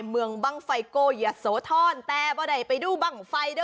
เมืองบังไฟโกยาโสทรแต่พอได้ไปดูบังไฟเด้อ